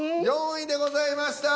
４位でございました。